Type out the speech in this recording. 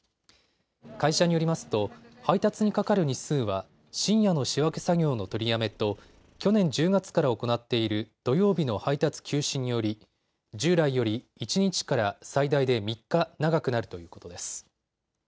会社によりますと配達にかかる日数は深夜の仕分け作業の取りやめと去年１０月から行っている土曜日の配達休止により従来より１日から最大で３日長くなるということです。